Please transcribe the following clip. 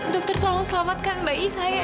dokter tolong selamatkan bayi saya